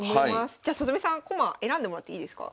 じゃ里見さん駒選んでもらっていいですか？